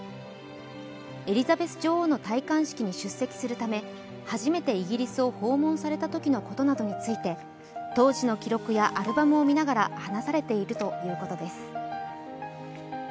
エリザベス女王の戴冠式に出席するため初めてイギリスを訪問されたときのことなどについて当時の記録やアルバムを見ながら話されているということです。